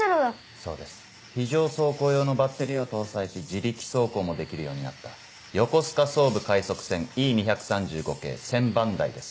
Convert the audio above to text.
そうです非常走行用のバッテリーを搭載し自力走行もできるようになった横須賀・総武快速線Ｅ２３５系１０００番台です。